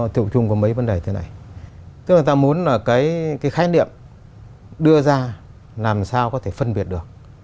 tức là người ta muốn là cái khái niệm đưa ra làm sao có thể phân biệt được